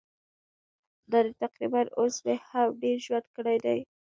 دا دی تقریباً اوس مې هم ډېر ژوند کړی دی.